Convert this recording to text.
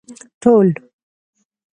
ټول